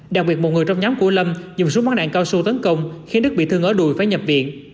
đặc biệt một người trong nhóm của lâm dùng súng bắn đạn cao su tấn công khiến đức bị thương ở đùi phải nhập viện